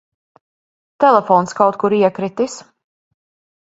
Telefons kaut kur iekritis.